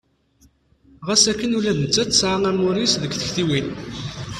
Ɣas akken ula d nettat tesɛa amur-is deg tiktiwin.